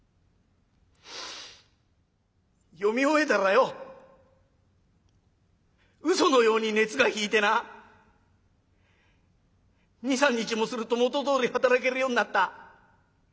読み終えたらようそのように熱が引いてな２３日もすると元どおり働けるようになった。